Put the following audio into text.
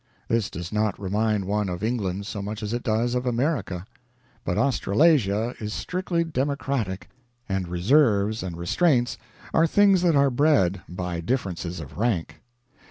This does not remind one of England so much as it does of America. But Australasia is strictly democratic, and reserves and restraints are things that are bred by differences of rank.